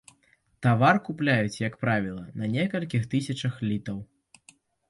Тавар купляюць, як правіла, на некалькі тысячаў літаў.